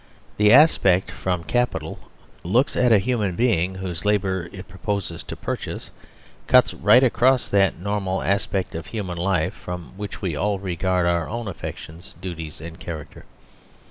The aspect from Capital looks at a hu man being whose labour it proposes to purchase cuts 87 THE SERVILE STATE right across that normal aspect of human life from which we all regard our own affections, duties, and character.